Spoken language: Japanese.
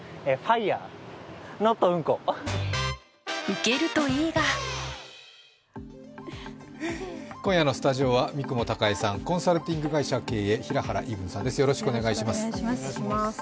受けるといいが今夜のスタジオは三雲孝江さん、コンサルティング会社経営、平原依文さんです。